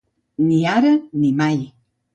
Ni ara ni mai.